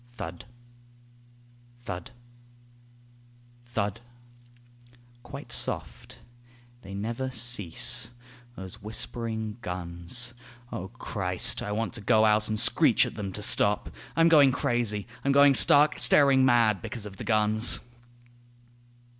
Thud, thud, thud, quite soft ... they never cease Those whispering guns O Christ, I want to go out And screech at them to stop I'm going crazy; I'm going stark, staring mad because of the guns.